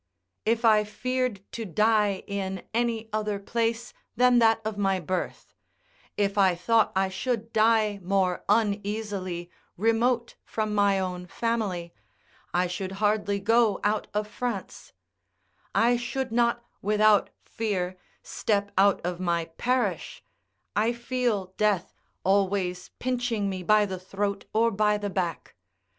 If I feared to die in any other place than that of my birth; if I thought I should die more uneasily remote from my own family, I should hardly go out of France; I should not, without fear, step out of my parish; I feel death always pinching me by the throat or by the back.